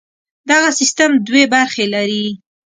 دغه سیستم دوې برخې لري.